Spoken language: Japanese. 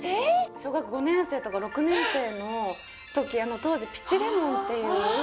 小学５年生とか６年生の時当時「ピチレモン」っていう